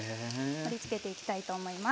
盛りつけていきたいと思います。